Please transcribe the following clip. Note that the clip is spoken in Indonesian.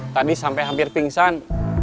tadi sampai hampir pingsan